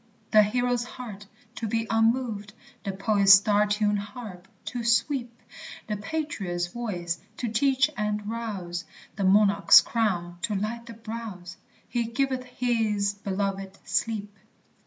The hero's heart, to be unmoved, The poet's star tuned harp, to sweep, The patriot's voice, to teach and rouse, The monarch's crown, to light the brows? "He giveth his belovèd sleep."